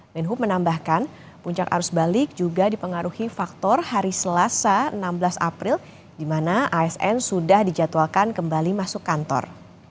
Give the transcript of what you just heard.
menhub menambahkan puncak arus balik juga dipengaruhi faktor hari selasa enam belas april di mana asn sudah dijadwalkan kembali masuk kantor